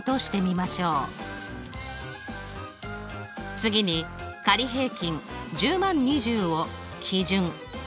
次に仮平均１０万２０を基準